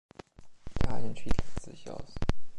Italien schied letztlich aus.